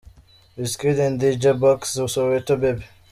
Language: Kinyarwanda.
Wizkid & Dj Buckz – Soweto Baby.